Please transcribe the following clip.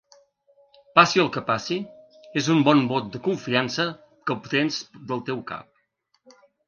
Passi el que passi, és un bon vot de confiança que obtens del teu cap.